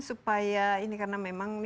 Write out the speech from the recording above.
supaya ini karena memang